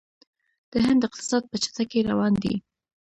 د هند اقتصاد په چټکۍ روان دی.